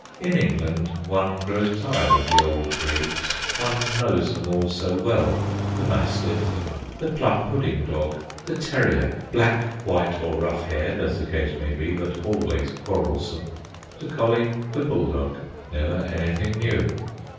In England one grows tired of the old breeds, one knows them all so well: the mastiff, the plum pudding dog, the terrier (black, white or rough haired, as the case may be, but always quarrelsome), the collie, the bulldog; never anything new.